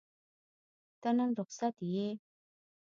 ته نن رخصت یې؟